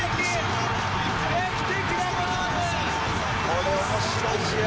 「これ面白い試合」